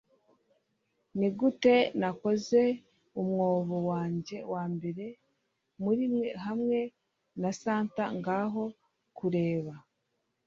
nigute nakoze umwobo wanjye wambere murimwe hamwe na santa ngaho kureba